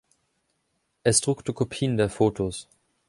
Es druckte Kopien der Fotos.